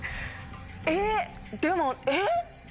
えっでも。